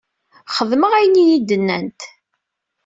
Xedmeɣ ayen iyi-d-nnant.